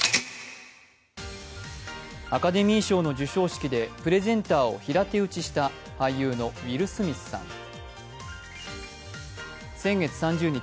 アカデミー賞の授賞式でプレゼンターを平手打ちした俳優のウィル・スミスさん。